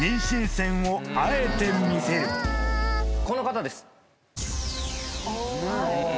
この方です。